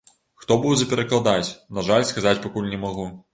Хто будзе перакладаць, на жаль сказаць пакуль не магу.